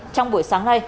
trong buổi sáng nay